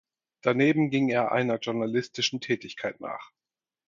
Daneben ging er einer journalistischen Tätigkeit nach.